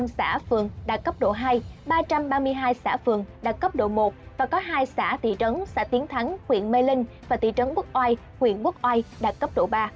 xã phường đã cấp độ hai ba trăm ba mươi hai xã phường đã cấp độ một và có hai xã tỷ trấn xã tiến thắng huyện mê linh và tỷ trấn quốc oai huyện quốc oai đã cấp độ ba